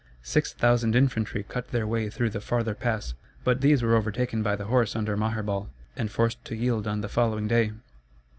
Six thousand infantry cut their way through the farther pass, but these were overtaken by the horse under Maherbal and forced to yield on the following day.